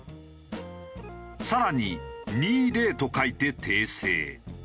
更に「２０」と書いて訂正。